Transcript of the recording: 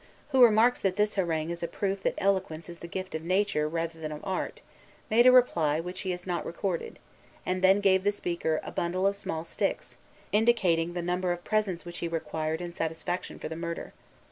Ragueneau, who remarks that this harangue is a proof that eloquence is the gift of Nature rather than of Art, made a reply, which he has not recorded, and then gave the speaker a bundle of small sticks, indicating the number of presents which he required in satisfaction for the murder.